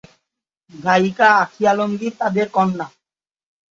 গায়িকা আঁখি আলমগীর তাদের কন্যা।